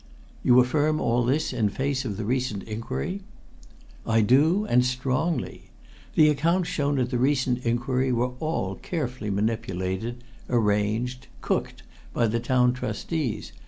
"You affirm all this in face of the recent inquiry?" "I do and strongly! The accounts shown at the recent inquiry were all carefully manipulated, arranged, cooked by the Town Trustees.